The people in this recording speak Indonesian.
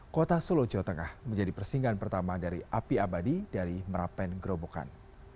kota solo jawa tengah menjadi persinggahan pertama dari api abadi dari merapen gerobokan